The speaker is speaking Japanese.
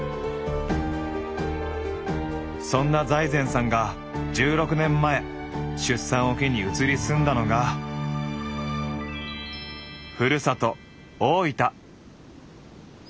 そんな財前さんが１６年前出産を機に移り住んだのがふるさと大分。